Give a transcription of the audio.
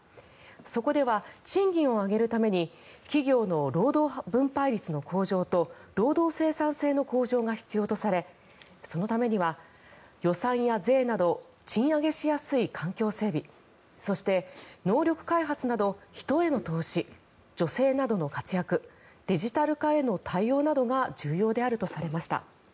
そこでは賃金を上げるために企業の労働分配率の向上と労働生産性の向上が必要とされそのためには予算や税など賃上げしやすい環境整備そして能力開発など人への投資女性などの活躍デジタル化への対応などが重要であるとされました。